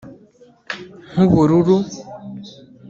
nk’ubururu